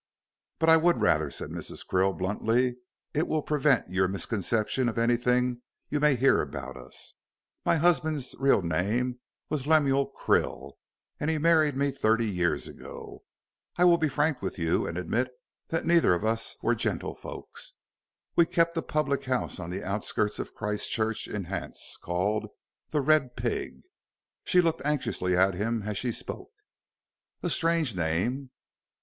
"But I would rather," said Mrs. Krill, bluntly; "it will prevent your misconception of anything you may hear about us. My husband's real name was Lemuel Krill, and he married me thirty years ago. I will be frank with you and admit that neither of us were gentlefolks. We kept a public house on the outskirts of Christchurch in Hants, called 'The Red Pig.'" She looked anxiously at him as she spoke. "A strange name."